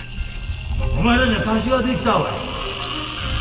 お前らには貸しが出来たわい。